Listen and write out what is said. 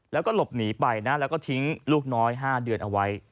แล้วก็หลบหนีไปนะแล้วก็ทิ้งลูกน้อย๕เดือนเอาไว้